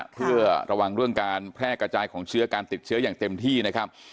เพื่อระวังเรื่องการแพร่กระจายของเชื้อการติดเชื้ออย่างเต็มที่นะครับ